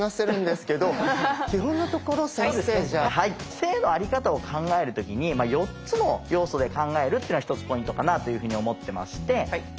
性のあり方を考える時に４つの要素で考えるっていうのは１つポイントかなあというふうに思ってまして。